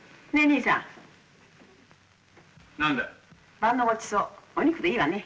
晩のごちそうお肉でいいわね？